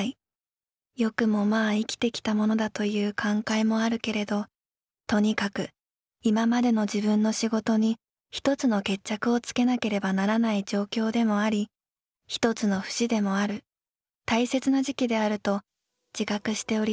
よくもまあ生きてきたものだという感懐もあるけれどとにかく今迄の自分の仕事に１つの決着をつけなければならない状況でもあり１つのフシでもある大切な時期であると自覚しております。